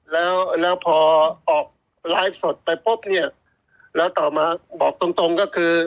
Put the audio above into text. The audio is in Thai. แล้วพอออกไลฟ์สดไปปุ๊บละต่อมาบอกตรงก็คือ